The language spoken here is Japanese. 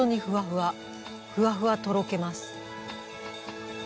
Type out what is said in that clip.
ふわふわとろけます。